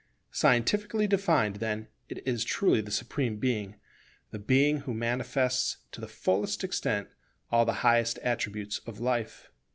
Scientifically defined, then, it is truly the Supreme Being: the Being who manifests to the fullest extent all the highest attributes of life.